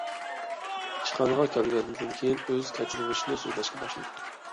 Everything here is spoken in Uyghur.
ئىشخانىغا كەلگەندىن كېيىن ئۆز كەچۈرمىشىنى سۆزلەشكە باشلىدى.